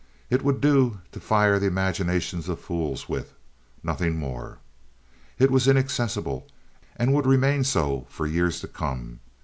It would do to fire the imaginations of fools with—nothing more. It was inaccessible, and would remain so for years to come.